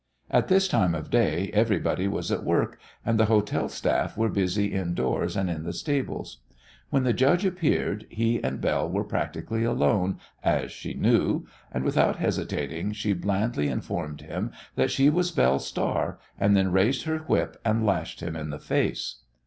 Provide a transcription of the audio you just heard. At this time of day everybody was at work, and the hotel staff were busy indoors and in the stables. When the judge appeared he and Belle were practically alone, as she knew, and without hesitating she blandly informed him that she was Belle Star, and then raised her whip and lashed him in the face.